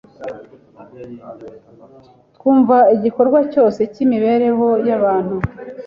twumva igikorwa cyose cy’imibereho y’abantu